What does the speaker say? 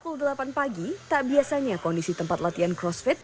pukul delapan pagi tak biasanya kondisi tempat latihan crossfit